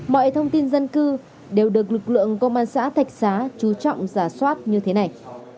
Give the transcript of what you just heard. mọi thông tin dân cư đều được lực lượng công an xã thạch xá chú trọng giả soát như thế này